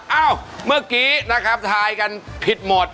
เอ้าเมื่อกี้นะครับทายกันผิดหมด